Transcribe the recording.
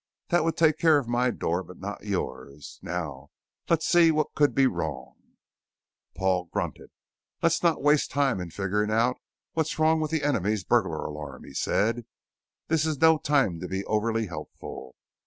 That would take care of my door but not yours. Now let's see what could be wrong " Paul grunted. "Let's not waste time in figuring out what's wrong with the enemy's burglar alarm," he said. "This is no time to be overly helpful.